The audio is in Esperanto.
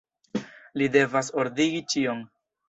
Li devas ordigi ĉion.